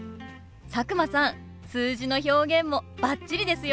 佐久間さん数字の表現もバッチリですよ。